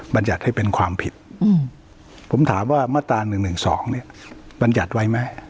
บรรยัติให้เป็นความผิดผมถามว่ามาตรา๑๑๒เนี่ยบรรยัติไว้ไหม